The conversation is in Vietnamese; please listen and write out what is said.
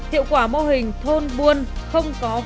hiệu quả mô hình thôn buôn không có hữu khách